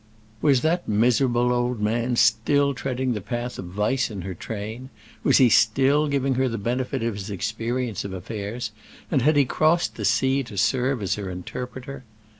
Was that miserable old man still treading the path of vice in her train? Was he still giving her the benefit of his experience of affairs, and had he crossed the sea to serve as her interpreter?